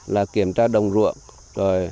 là kiểm tra đồng ruộng rồi